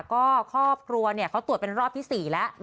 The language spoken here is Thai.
ก็ครอบครัวเขาตรวจเป็นรอบที่๔แล้ว